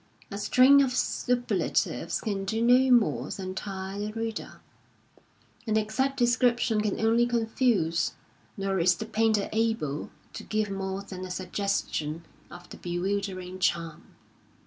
A string of superlatives can do no more than tire the reader, an exact description can only confuse ; nor is the painter able to give moi*e than a suggestion of the bewildering charm.